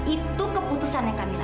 itu keputusannya kamila